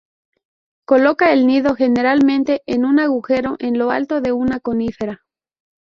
Coloca el nido generalmente en un agujero en lo alto de una conífera.